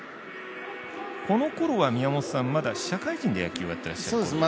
このころは宮本さん、まだ社会人で野球をやってらっしゃったんですよね。